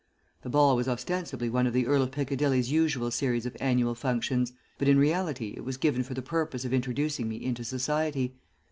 The ball was ostensibly one of the Earl of Piccadilly's usual series of annual functions, but in reality it was given for the purpose of introducing me into society.